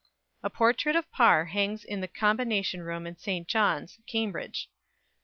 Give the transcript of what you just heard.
A portrait of Parr hangs in the Combination Room in St. John's, Cambridge.